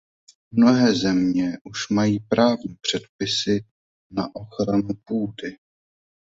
Mnohé země už mají právní předpisy na ochranu půdy.